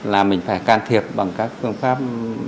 là mình phải can thiệp bằng các phương pháp